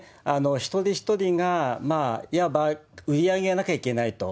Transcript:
一人一人が、いわば売り上げがなきゃいけないと。